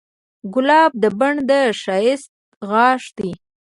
ګلاب د بڼ د ښایست غاښ دی.